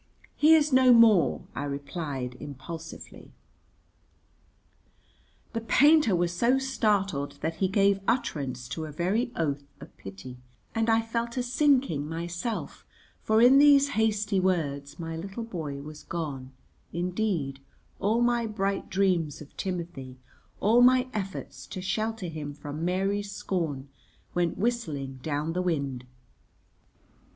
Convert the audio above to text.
"He is no more," I replied impulsively. The painter was so startled that he gave utterance to a very oath of pity, and I felt a sinking myself, for in these hasty words my little boy was gone, indeed; all my bright dreams of Timothy, all my efforts to shelter him from Mary's scorn, went whistling down the wind.